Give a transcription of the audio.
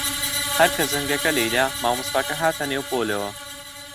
هەر کە زەنگەکە لێی دا، مامۆستاکە هاتە نێو پۆلەوە.